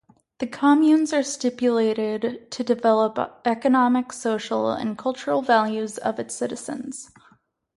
The communes are stipulated to develop economic, social and cultural values of its citizens.